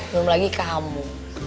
belum lagi kamu